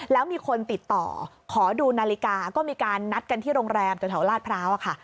แล้วมีคนติดต่อขอดูนาฬิกาก็มีการนัดกันที่โรงแรมแถวลาดพร้าวค่ะ